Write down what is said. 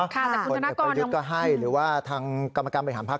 ผลเอกประยุทธ์ก็ให้หรือว่าทางกรรมการบริหารพัก